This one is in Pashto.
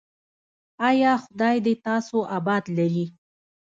ایا خدای دې تاسو اباد لري؟